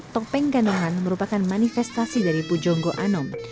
topeng ganongan merupakan manifestasi dari pujongo anom